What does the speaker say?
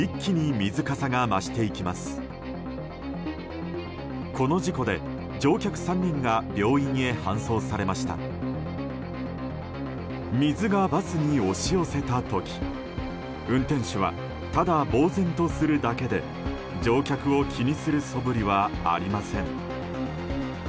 水がバスに押し寄せた時運転手はただぼうぜんとするだけで乗客を気にするそぶりはありません。